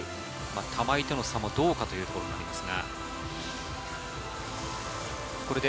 玉井との差もどうかというところですが。